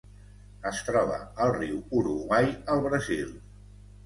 Es troba al riu Uruguai al Brasil.